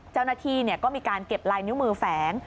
เจ้าหน้าที่ก็มีการเก็บลายนิ้วมือแฝง